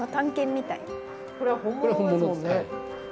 これは本物ですもんね。